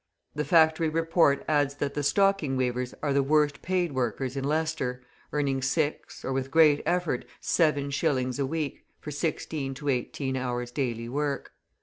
The Factory Report adds that the stocking weavers are the worst paid workers in Leicester, earning six, or with great effort, seven shillings a week, for sixteen to eighteen hours' daily work.